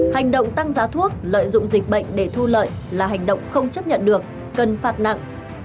hành động tăng giá thuốc lợi dụng dịch bệnh để thu lợi là hành động không chấp nhận được cần phạt nặng